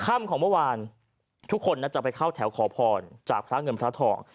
ค่ำของเมื่อวานทุกคนน่าจะไปเข้าแถวขอพรจากพระเงินพระทอง